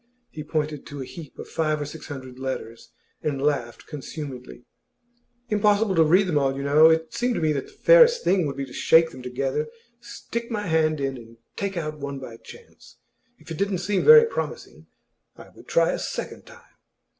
He pointed to a heap of five or six hundred letters, and laughed consumedly. 'Impossible to read them all, you know. It seemed to me that the fairest thing would be to shake them together, stick my hand in, and take out one by chance. If it didn't seem very promising, I would try a second time.